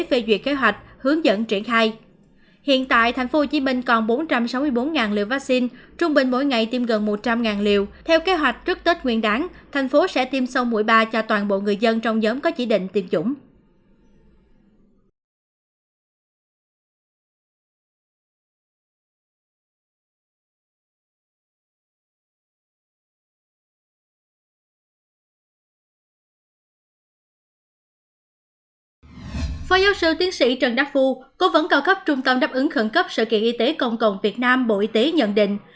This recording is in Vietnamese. phó giáo sư tiến sĩ trần đắc phu cố vấn cao cấp trung tâm đáp ứng khẩn cấp sự kiện y tế công cộng việt nam bộ y tế nhận định